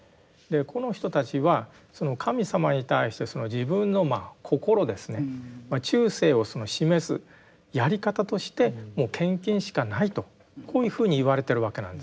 この人たちはその神様に対して自分の心ですね忠誠を示すやり方としてもう献金しかないとこういうふうに言われてるわけなんですね。